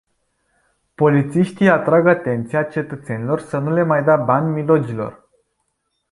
Polițiștii atrag atenția cetățenilor să nu le mai dea bani milogilor.